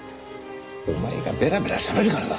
お前がベラベラしゃべるからだ！